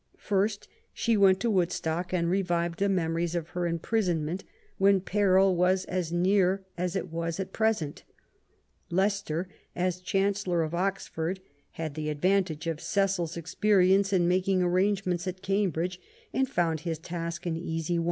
First she went to Woodstock and revived the memories of her imprisonment, when peril was as near as it was at present. Leicester, as Chancellor of Oxford, had the advantage of Cecil's experience in making arrange ments at Cambridge, and found his task an easy one.